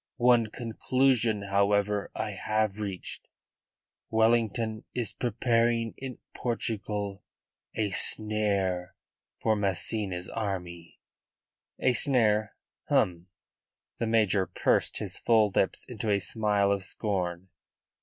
One conclusion, however, I have reached: Wellington is preparing in Portugal a snare for Massena's army." "A snare? Hum!" The major pursed his full lips into a smile of scorn.